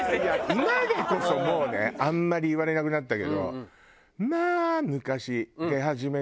今でこそもうねあんまり言われなくなったけどまあ昔。